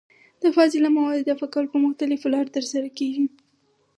د فاضله موادو دفع کول په مختلفو لارو ترسره کېږي.